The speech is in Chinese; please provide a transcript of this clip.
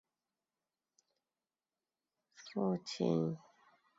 父亲邵维钫英国奥地利裔白人香港社会活动家。